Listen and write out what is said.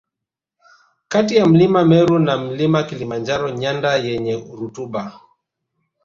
Kati ya mlima Meru na Mlima Kilimanjaro nyanda yenye rutuba